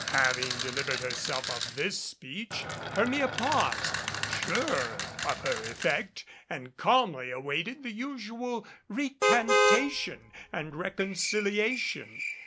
Having delivered herself of this speech, Hermia paused, sure of her effect, and calmly awaited the usual recantation and reconciliation.